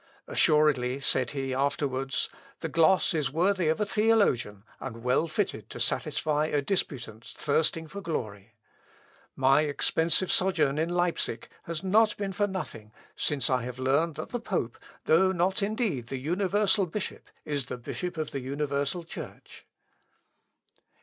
"Assuredly," said he, afterwards, "the gloss is worthy of a theologian, and well fitted to satisfy a disputant thirsting for glory. My expensive sojourn in Leipsic has not been for nothing, since I have learned that the pope, though not indeed the universal bishop, is the bishop of the universal church."